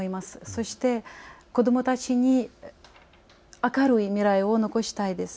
そして子どもたちに明るい未来を残したいです。